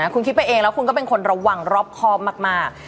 คุณคิดไปเองแล้วคุณก็เป็นคนระวังรอบครอบมาก